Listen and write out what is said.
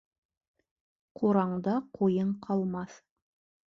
Ҡураңда ҡуйың ҡалмаҫ.